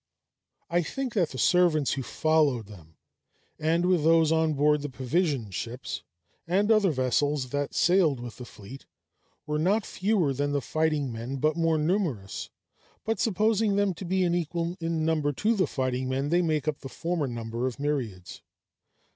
I think that the servants who followed them, and with those on board the provision ships and other vessels that sailed with the fleet, were not fewer than the fighting men, but more numerous; but supposing them to be equal in number to the fighting men, they make up the former number of myriads.